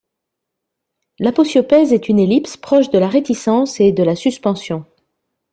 L'aposiopèse est une ellipse proche de la réticence et de la suspension.